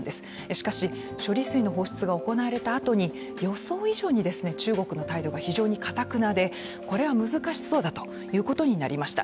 しかし処理水の放出が行われたあとに予想以上に中国の態度が非常にかたくなでこれは難しそうだということになりました。